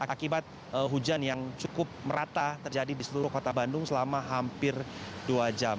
akibat hujan yang cukup merata terjadi di seluruh kota bandung selama hampir dua jam